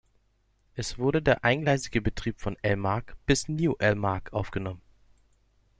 Es wurde der eingleisige Betrieb von "El Marg" bis "New El Marg" aufgenommen.